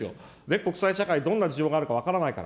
国際社会、どんな事情があるか分からないから。